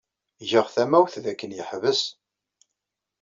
Greɣ tamawt dakken yeḥbes.